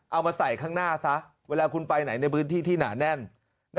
เอามาใส่ข้างหน้าซะเวลาคุณไปไหนในพื้นที่ที่หนาแน่น